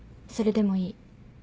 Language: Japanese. それでもいい。